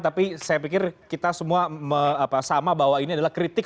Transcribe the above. tapi saya pikir kita semua sama bahwa ini adalah kritik